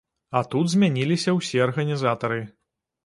А тут змяніліся ўсе арганізатары.